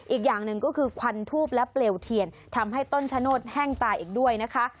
อีกอย่างหนึ่งก็คือควันทูบและเปลวเทียนทำให้ต้นชะโนธแห้งตายอีกด้วยนะคะ